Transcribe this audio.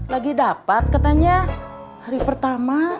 lagi dapat katanya hari pertama